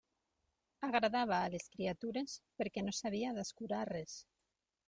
Agradava a les criatures, perquè no s'havia d'escurar res.